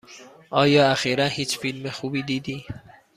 آیا اخیرا هیچ فیلم خوبی دیدی؟